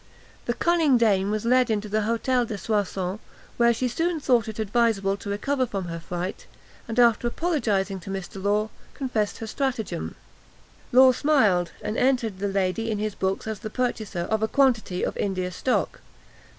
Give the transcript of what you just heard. The cunning dame was led into the Hôtel de Soissons, where she soon thought it advisable to recover from her fright, and, after apologising to Mr. Law, confessed her stratagem. Law smiled, and entered the lady in his books as the purchaser of a quantity of India stock.